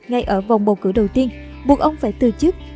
ngay ở vòng bầu cử đầu tiên buộc ông phải từ chức